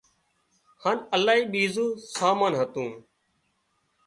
هانَ الاهي ٻيزون سامان هتون